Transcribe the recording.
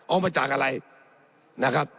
เอามาจากอะไรนะครับ